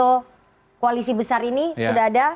untuk koalisi besar ini sudah ada